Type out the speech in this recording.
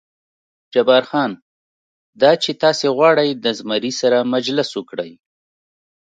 جبار خان: دا چې تاسې غواړئ د زمري سره مجلس وکړئ.